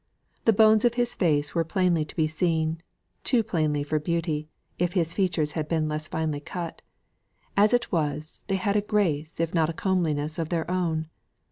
The bones of his face were plainly to be seen too plainly for beauty, if his features had been less finely cut; as it was, they had a grace if not a comeliness of their own.